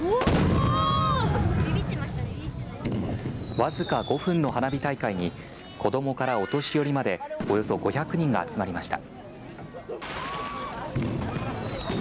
僅か５分の花火大会に子どもからお年寄りまでおよそ５００人が集まりました。